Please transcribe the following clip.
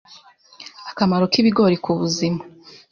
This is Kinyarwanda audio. Akamaro k’ibigori ku buzima